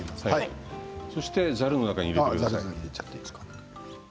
そしてザルの中に入れてください。